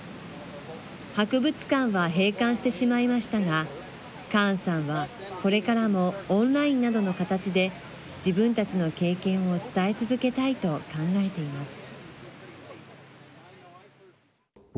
博物館は閉館してしまいましたがカーンさんは、これからもオンラインなどの形で自分たちの経験を伝え続けたいと考えています。